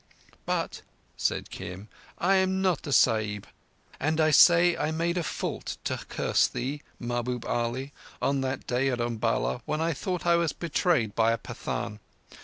"But," said Kim, "I am not a Sahib, and I say I made a fault to curse thee, Mahbub Ali, on that day at Umballa when I thought I was betrayed by a Pathan.